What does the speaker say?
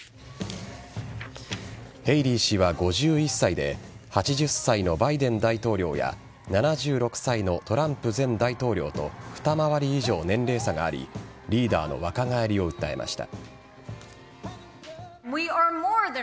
ヘイリー氏は５１歳で８０歳のバイデン大統領や７６歳のトランプ前大統領と２回り以上、年齢差がありリーダーの若返りを訴えました。